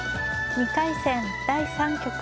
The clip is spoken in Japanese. ２回戦第３局。